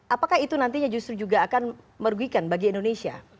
apakah itu nantinya justru juga akan merugikan bagi indonesia